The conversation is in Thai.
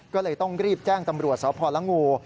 ก็เลยต้องรีบแจ้งตำรวจสพละงู